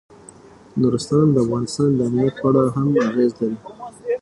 نورستان د افغانستان د امنیت په اړه هم اغېز لري.